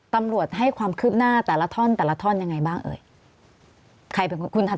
ตำรวจให้ความคืบหน้าแต่ละท่อนแต่ละท่อนยังไงบ้างเอ่ย